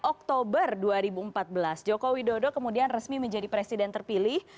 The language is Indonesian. oktober dua ribu empat belas joko widodo kemudian resmi menjadi presiden terpilih